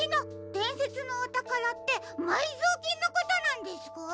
でんせつのおたからってまいぞうきんのことなんですか？